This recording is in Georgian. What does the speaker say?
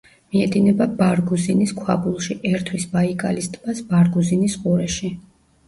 მიედინება ბარგუზინის ქვაბულში, ერთვის ბაიკალის ტბას ბარგუზინის ყურეში.